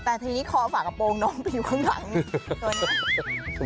แต่ทีนี้ขอฝากกระโปรงน้องผิวข้างหลังนี่